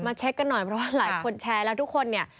เช็คกันหน่อยเพราะว่าหลายคนแชร์แล้วทุกคนเนี่ย